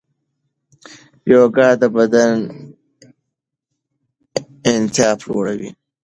یوګا د بدن انعطاف لوړوي.